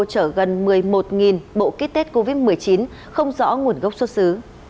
chở gần một mươi một bộ kích tết covid một mươi chín không rõ nguồn gốc xuất xứ